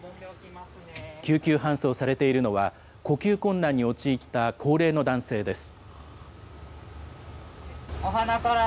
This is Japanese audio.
救急搬送されているのは、呼吸困難に陥った高齢の男性です。